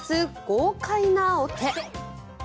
豪快なお手。